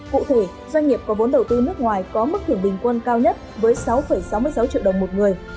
cụ thể doanh nghiệp có vốn đầu tư nước ngoài có mức thưởng bình quân cao nhất với sáu sáu mươi sáu triệu đồng một người